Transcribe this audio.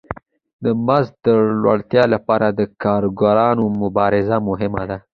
د مزد د لوړوالي لپاره د کارګرانو مبارزه مهمه ده